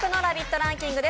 ランキングです。